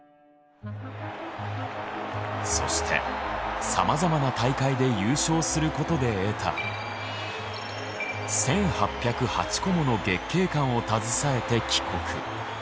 そしてさまざまな大会で優勝する事で得た１８０８個もの月けい冠を携えて帰国。